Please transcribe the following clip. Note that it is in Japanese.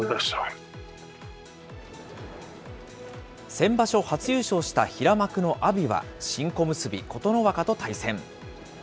先場所初優勝した平幕の阿炎は、新小結・琴ノ若と対戦。